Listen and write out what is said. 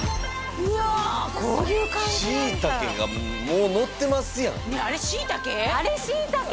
しいたけがもうのってますやんあれしいたけ？